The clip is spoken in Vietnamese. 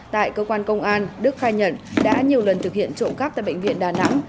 tại cơ quan công an đức khai nhận đã nhiều lần thực hiện trộm cắp tại bệnh viện đà nẵng